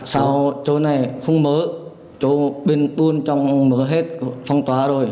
sau chỗ này không mở chỗ bên tuôn trong mở hết phong tỏa